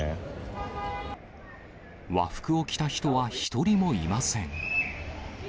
和服を着た人は一人もいません。